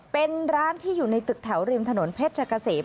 เป็นร้านที่อยู่ในตึกแถวริมถนนเพชรกะเสม